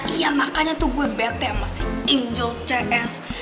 iya makanya tuh gue bete sama si angel cs